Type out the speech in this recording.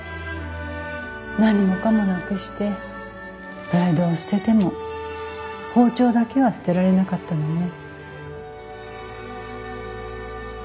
何もかもなくしてプライドを捨てても包丁だけは捨てられなかったのね。